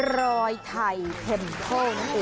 รอยไท่เทมเพิ่ม